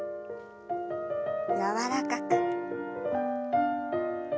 柔らかく。